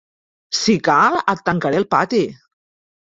Si cal, et tancaré al pati.